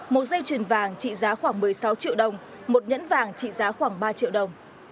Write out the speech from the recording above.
một dây chuyền vàng trị giá khoảng một mươi sáu triệu đồng một nhẫn vàng trị giá khoảng ba triệu đồng